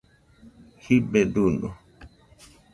jibe duño